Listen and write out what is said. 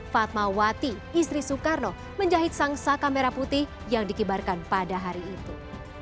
fatmawati istri soekarno menjahit sang saka merah putih yang dikibarkan pada hari itu